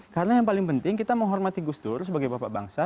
karena yang paling penting kita menghormati gus dur sebagai bapak bangsa